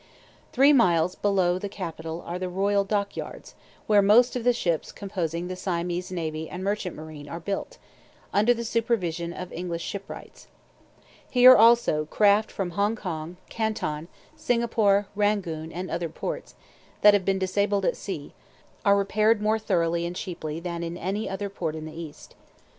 Three miles below the capital are the royal dock yards, where most of the ships composing the Siamese navy and merchant marine are built, under the supervision of English shipwrights. Here, also, craft from Hong Kong, Canton, Singapore, Rangoon, and other ports, that have been disabled at sea, are repaired more thoroughly and cheaply than in any other port in the East.